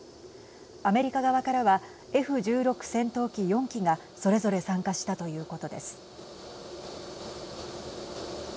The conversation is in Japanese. アメリカ側からはＦ１６戦闘機４機がそれぞれ参加したということです。